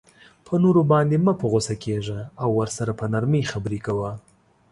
په نورو باندی مه په غصه کیږه او ورسره په نرمۍ خبری کوه